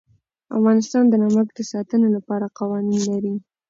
افغانستان د نمک د ساتنې لپاره قوانین لري.